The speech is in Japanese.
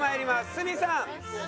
鷲見さん。